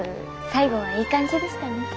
最後はいい感じでしたね。